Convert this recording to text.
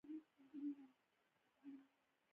زما خوله خوږیږي